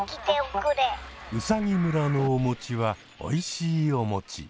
うさぎ村のおもちはおいしいおもち。